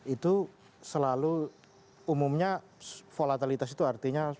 itu selalu umumnya volatilitas itu artinya